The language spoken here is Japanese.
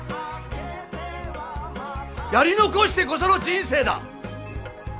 やり残してこその人生だ！